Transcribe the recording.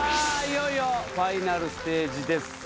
いよいよファイナルステージです